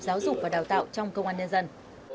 giáo dục và đào tạo trong công an nhân dân